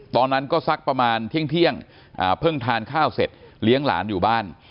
ตอนนั้นก็สักประมาณเที่ยงเพิ่งทานข้าวเสร็จเลี้ยงหลานอยู่บ้าน